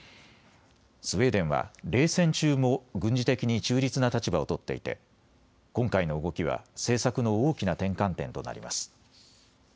スウェーデンは冷戦中も軍事的に中立な立場を取っていて今回の動きは政策の大きな転換点となります。